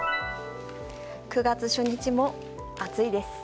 ９月初日も暑いです。